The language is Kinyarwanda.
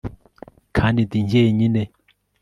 kandi ndi jyenyine